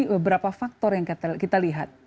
beberapa faktor yang kita lihat